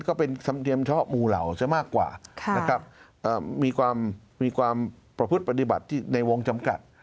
ก็เป็นธรรมเนียมเฉพาะหมู่เหล่าซะมากกว่านะครับมีความประพฤติปฏิบัติที่ในวงจำกัด